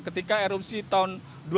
ketika erupsi tahun dua ribu tujuh belas